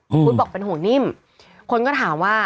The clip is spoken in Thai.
คุณพุทธบอกเป็นห่วงนิ่มคนก็ถามว่า